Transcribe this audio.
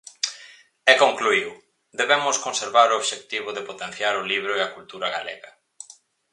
E concluíu: "debemos conservar o obxectivo de potenciar o libro e a cultura galega".